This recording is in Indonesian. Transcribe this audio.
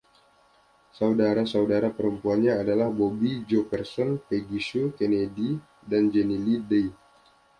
Saudara-saudara perempuannya adalah Bobbi Jo Parsons, Peggy Sue Kennedy, dan Janie Lee Dye.